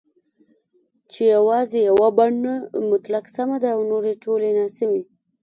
چې یوازې یوه بڼه مطلق سمه ده او نورې ټولې ناسمي